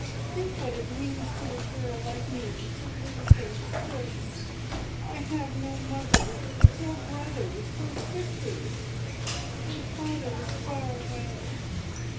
Think what it means to a girl like me to lose her foot! I have no mother, nor brothers, nor sisters, and father is far away.